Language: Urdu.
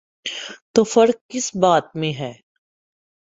تو فرق کس بات میں ہے؟